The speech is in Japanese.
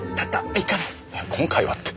「今回は」って。